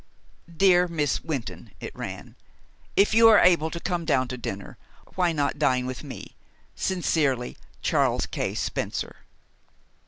"DEAR MISS WYNTON," it ran, "If you are able to come down to dinner, why not dine with me? Sincerely, "CHARLES K. SPENCER."